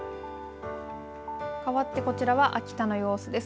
かわってこちらは秋田の様子です。